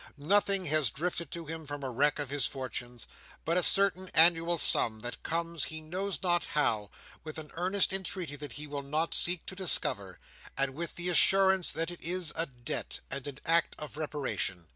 Nothing has drifted to him from the wreck of his fortunes, but a certain annual sum that comes he knows not how, with an earnest entreaty that he will not seek to discover, and with the assurance that it is a debt, and an act of reparation.